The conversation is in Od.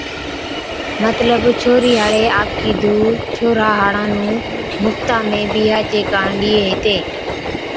مطلب ڇوھرِي ھاڙي آپَڪِي ڌُو ڇوھَرا ھاڙان نُون مفتا ۾ بِيھا چي ڪاڻ ڏِيئي ھِتي